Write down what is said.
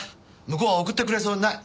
向こうは送ってくれそうにない。